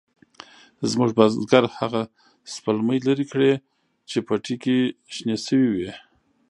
زموږ بزگر هغه سپلمۍ لرې کړې چې پټي کې شنې شوې وې.